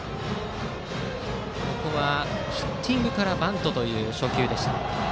ここはヒッティングからバントという初球でした。